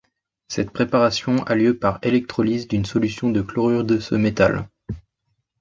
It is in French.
Cette préparation a lieu par électrolyse d'une solution de chlorure de ce métal.